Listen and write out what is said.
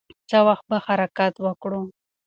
څه وخت به حرکت وکړو؟